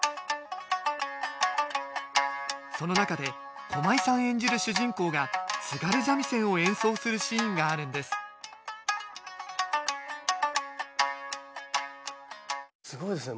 その中で駒井さん演じる主人公が津軽三味線を演奏するシーンがあるんですすごいですね。